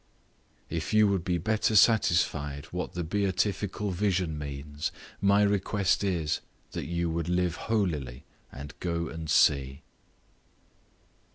If you would be better satisfied what the beatifical vision means, my request is, that you would live holily and go and see.